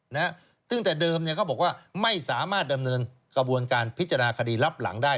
นะฮะซึ่งแต่เดิมเนี่ยเขาบอกว่าไม่สามารถดำเนินกระบวนการพิจารณาคดีรับหลังได้